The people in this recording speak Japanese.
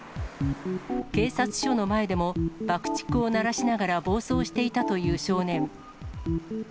警察署の前でも、爆竹を鳴らしながら暴走していたという少年。